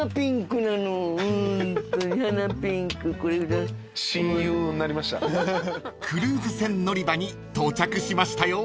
［クルーズ船乗り場に到着しましたよ］